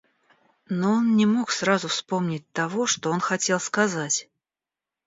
Но он не мог сразу вспомнить того, что он хотел сказать.